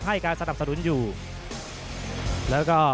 ให้การสนับสนุนอยู่แล้วก็